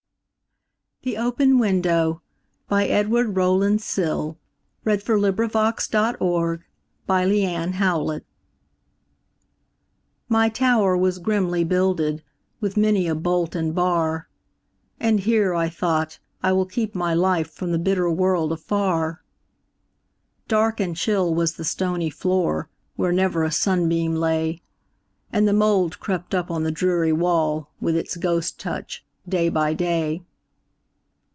can Verse. 1912. Edward Rowland Sill 1841–1887 Edward Rowland Sill 207 The Open Window MY tower was grimly builded, With many a bolt and bar,"And here," I thought, "I will keep my lifeFrom the bitter world afar."Dark and chill was the stony floor, Where never a sunbeam lay, And the mould crept up on the dreary wall, With its ghost touch, day by day.